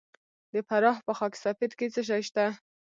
د فراه په خاک سفید کې څه شی شته؟